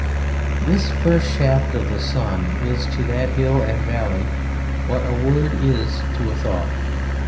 This first shaft of the sun is to that hill and valley what a word is to a thought.